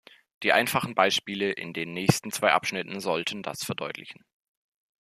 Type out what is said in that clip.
Die einfachen Beispiele in den nächsten zwei Abschnitten sollen das verdeutlichen.